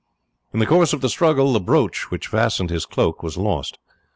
In the course of the struggle the brooch which fastened his cloak was lost.